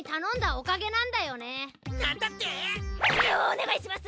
お願いします！